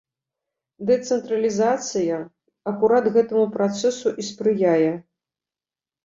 Дэцэнтралізацыя акурат гэтаму працэсу і спрыяе.